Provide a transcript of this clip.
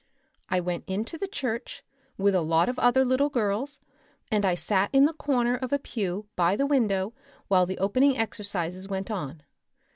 I went into the church, with a lot of other little girls, and I sat in the corner of a pew by the window while the opening exercises went on.